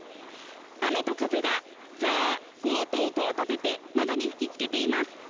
雨と風が、ざー、ごーっと音を立てて窓に吹きつけています。